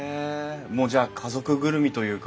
もうじゃあ家族ぐるみというか。